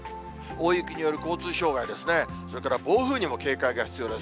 大雪による交通障害ですね、それから暴風にも警戒が必要です。